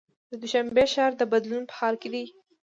د دوشنبې ښار د بدلون په حال کې دی.